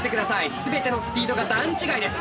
全てのスピードが段違いです。